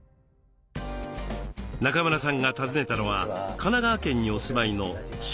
中村さんが訪ねたのは神奈川県にお住まいの下倉幸子さん。